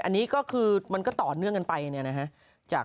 อันนี้ก็คือมันก็ต่อเนื่องกันไปเนี่ยนะฮะ